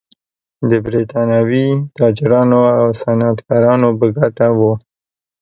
د برېټانوي تاجرانو او صنعتکارانو په ګټه و.